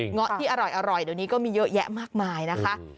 เงาะที่อร่อยเดี๋ยวนี้ก็มีเยอะแยะมากมายนะคะ